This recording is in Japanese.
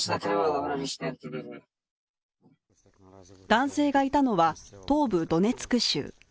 男性がいたのは東部ドネツク州。